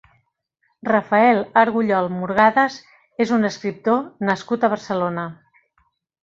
Rafael Argullol Murgadas és un escriptor nascut a Barcelona.